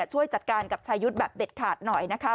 ช่วยจัดการกับชายุทธ์แบบเด็ดขาดหน่อยนะคะ